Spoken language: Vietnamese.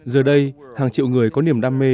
giờ đây hàng triệu người có niềm đam mê